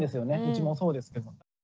うちもそうですけど。